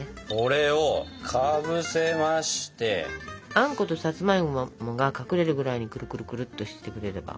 あんことさつまいもが隠れるぐらいにくるくるくるっとしてくれれば。